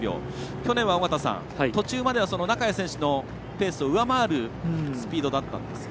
去年は途中までは中谷選手のペースを上回るスピードだったんですが。